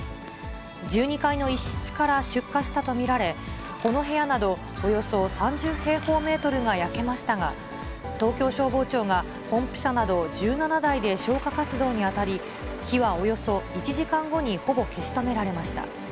１２階の一室から出火したと見られ、この部屋などおよそ３０平方メートルが焼けましたが、東京消防庁がポンプ車など１７台で消火活動に当たり、火はおよそ１時間後にほぼ消し止められました。